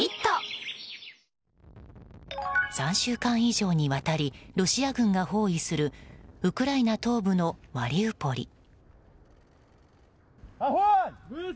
３週間以上にわたりロシア軍が包囲するウクライナ東部のマリウポリ。